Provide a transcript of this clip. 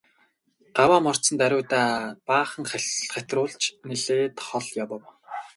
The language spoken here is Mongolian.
Гаваа мордсон даруйдаа баахан хатируулж нэлээд хол явав.